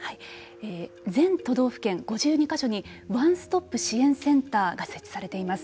全都道府県５２か所にワンストップ支援センターが設置されています。